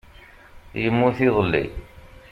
Yemmut iḍelli.